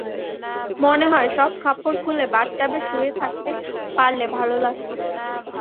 মনে হয়, সব কাপড় খুলে বাথটাবে শুয়ে থাকতে পারলে ভালো লাগত।